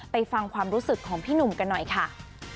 ฟังความรู้สึกของพี่หนุ่มกันหน่อยค่ะ